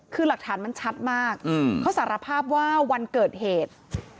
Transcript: คือหลักฐานมันชัดมากเขาสารภาพว่าวันเกิดเหตุ